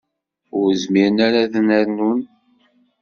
Ur zmiren ara ad ten-rnun.